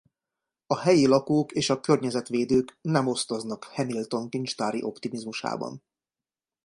A helyi lakók és a környezetvédők nem osztoznak Hamilton kincstári optimizmusában.